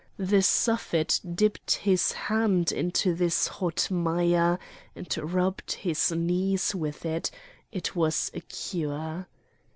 The Suffet dipped his hand into this hot mire and rubbed his knees with it: it was a cure.